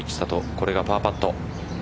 これがパーパット。